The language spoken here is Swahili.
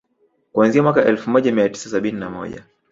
Kuanzia mwaka elfu moja mia tisa sabini na moja